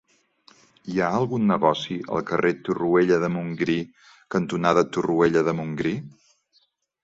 Hi ha algun negoci al carrer Torroella de Montgrí cantonada Torroella de Montgrí?